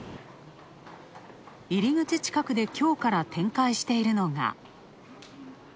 入り口近くできょうから展開しているのが。